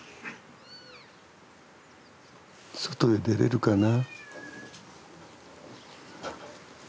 外へ出れるかな。